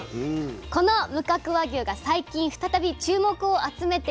この無角和牛が最近再び注目を集めています。